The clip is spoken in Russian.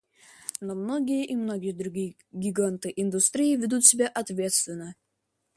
Но многие и многие другие гиганты индустрии ведут себя ответственно.